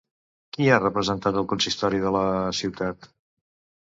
Qui ha representat el consistori de la ciutat?